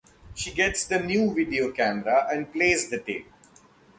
She gets the new video camera and plays the tape.